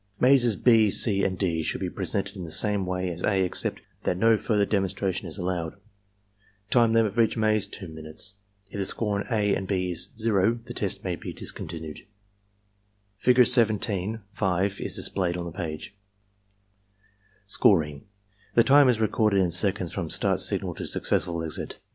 Mazes (6), (c), and {d) should be presented in the same way as (a) except that no further demonstration is allowed. Time limit for each maze, 2 minutes. If the score on (a) and (6) is 0, the test may be discontinued. AKMY MENTAL TESTS m m \^\ m FiauRE 17 (5). Scoring. — Time is recorded in seconds from start signal to successful exit.